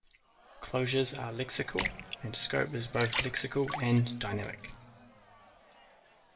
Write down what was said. Closures are lexical, and scope is both lexical and dynamic.